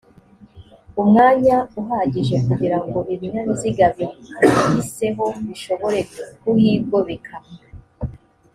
umwanya uhagije kugirango ibinyabiziga bimuhiseho bishobore kuhigobeka